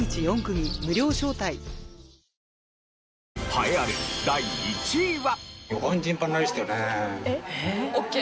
栄えある第１位は。